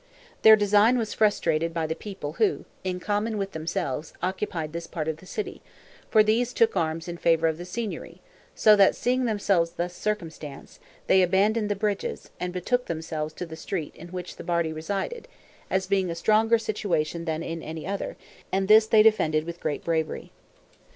Their design was frustrated by the people who, in common with themselves, occupied this part of the city; for these took arms in favor of the Signory, so that, seeing themselves thus circumstanced, they abandoned the bridges, and betook themselves to the street in which the Bardi resided, as being a stronger situation than any other; and this they defended with great bravery.